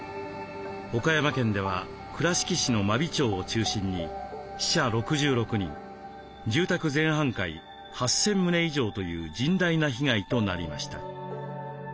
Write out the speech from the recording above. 岡山県では倉敷市の真備町を中心に死者６６人住宅全半壊８，０００棟以上という甚大な被害となりました。